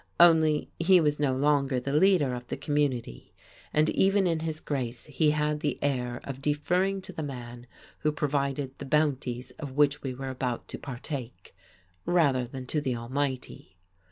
Only he was no longer the leader of the community; and even in his grace he had the air of deferring to the man who provided the bounties of which we were about to partake rather than to the Almighty.